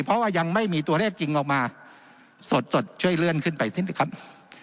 เพราะว่ายังไม่มีตัวเลขจริงออกมาสดช่วยเลื่อนขึ้นไปนิดหนึ่งครับ